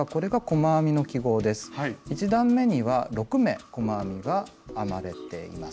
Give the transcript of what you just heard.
１段めには６目細編みが編まれています。